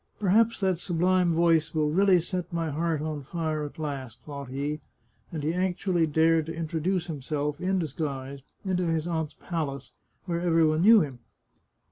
" Perhaps that sublime voice will really set my heart on fire at last," thought he, and he actually dared to introduce himself, in disguise, into his aunt's palace, where every one knew him.